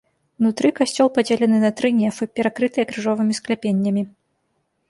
Унутры касцёл падзелены на тры нефы, перакрытыя крыжовымі скляпеннямі.